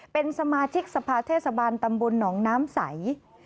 เป็นสมาชิกสภาเทศบาลตำบลหนองน้ำใส